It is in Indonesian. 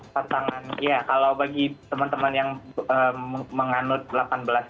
tantangan ya kalau bagi teman teman yang menganut delapan belas jam durasi puasa